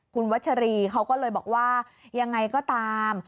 คุณวัชรีเขาก็เลยบอกว่ายังไงก็ตาม